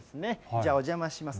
じゃあ、お邪魔します。